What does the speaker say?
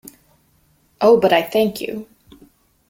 Oh, but I thank you!